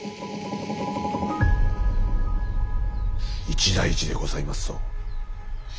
一大事でございますぞ。